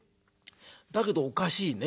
だけどおかしいね。